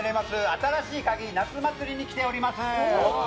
「新しいカギ夏祭り」に来ております。